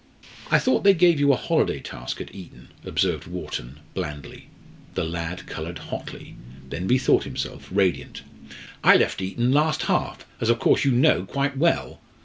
"I thought they gave you a holiday task at Eton," observed Wharton, blandly. The lad coloured hotly, then bethought himself radiant: "I left Eton last half, as of course you know quite well.